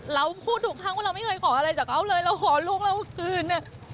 เราพูดถูกครั้งว่าเราไม่เคยขออะไรจากเขาเลยเราขอลูกเราคืน